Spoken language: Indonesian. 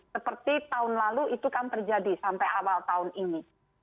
seperti tahun lalu itu kan terjadi sampai awal tahun ini